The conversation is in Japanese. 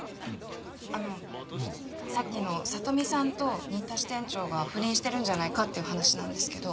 あのさっきのさとみさんと新田支店長が不倫してるんじゃないかっていう話なんですけど。